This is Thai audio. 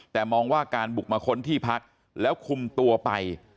แต่มองว่าการบุกมาค้นที่พักแล้วคุมตัวไป